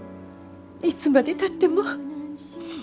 いつまでたっても。